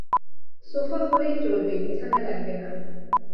Sofa হলেই চলবে, বিছানা লাগবে না।